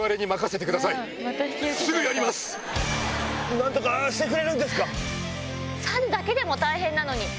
何とかしてくれるんですか？